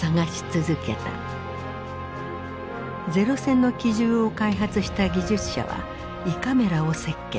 零戦の機銃を開発した技術者は胃カメラを設計。